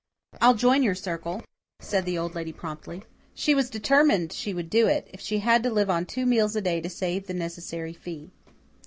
"I'll join your Circle," said the Old Lady promptly. She was determined she would do it, if she had to live on two meals a day to save the necessary fee.